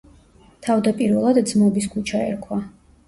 თავდაპირველად ძმობის ქუჩა ერქვა.